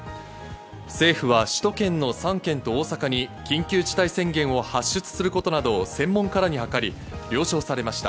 政府は首都圏の３県と大阪に緊急事態宣言を発出することなどを専門家らに諮り、了承されました。